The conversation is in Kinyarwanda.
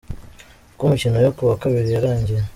Uko imikino yo kuwa Kabiri yarangiye:.